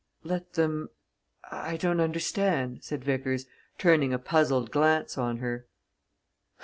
"Let them I don't understand," said Vickers, turning a puzzled glance on her.